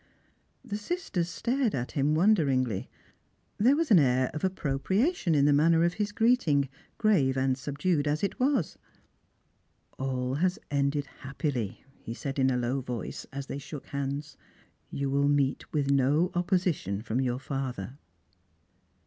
The sisters stared at him wcmderingly. There was an air of appropriation in the manner of his greeting, grave and subdued as it was. "All has ended happily," he said, in a low voice, as they shook hands. " You will meet with no opposition from your father."